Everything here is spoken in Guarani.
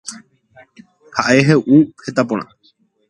Ha hey'u heta porã